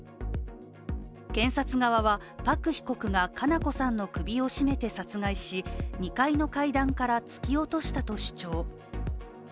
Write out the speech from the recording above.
検察側は、パク被告が佳菜子さんの首を絞めて殺害し２階の階段から突き落としたと主張。